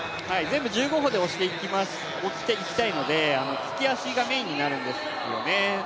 全部１５歩でいきたいので利き足がメインになるんですよね。